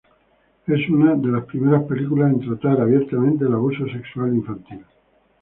Es una de las primeras películas en tratar abiertamente el abuso sexual infantil.